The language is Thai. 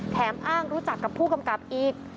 แถมอ้างรู้จักกับผู้กำกับอีก